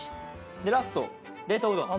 でラスト冷凍うどん。